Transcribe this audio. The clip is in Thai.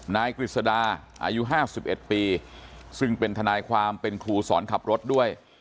นายกฤษฎาอายุภาพสิบเอ็ดปีซึ่งเป็นทนายความเป็นครูศรขับรถด้วย